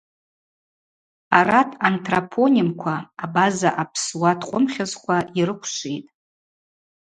Арат антропонимква абаза-апсуа ткъвымхьызква йрыквшвитӏ.